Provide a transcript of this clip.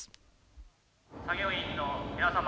「作業員の皆様